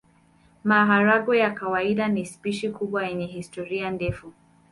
Maharagwe ya kawaida ni spishi kubwa yenye historia ndefu.